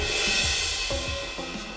gak ada apa apa